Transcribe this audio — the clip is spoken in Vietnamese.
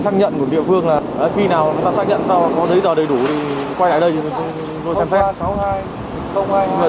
nhận của địa phương là khi nào ta xác nhận sao có giấy tờ đầy đủ thì quay lại đây rồi chăm xét